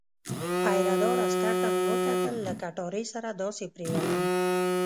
پیره دار عسکر ته مې وکتل، له کټارې سره داسې پرېوتم.